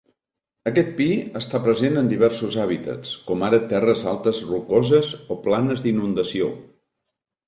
Aquest pi està present en diversos hàbitats, com ara terres altes rocoses o planes d'inundació.